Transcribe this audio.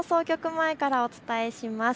前からお伝えします。